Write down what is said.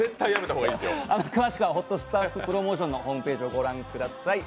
詳しくはホットスタッフ・プロモーションのホームページをご覧ください。